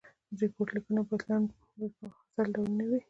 د ریپورټ لیکنه باید لنډ وي په مفصل ډول نه وي.